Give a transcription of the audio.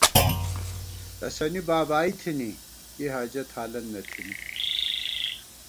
تسَنی بابائی تھنی ،کی حاجت حالن نہ تھنی